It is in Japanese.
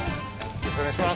よろしくお願いします。